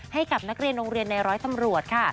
ให้กับนักเรียนโรงเรียนในร้อยตำรวจค่ะ